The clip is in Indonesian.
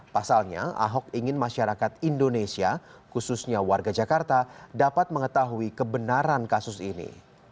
pasalnya ahok ingin masyarakat indonesia khususnya warga jakarta dapat mengetahui kebenaran kasus ini